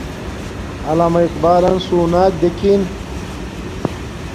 علامہ اقبالن سُوناک دیکھن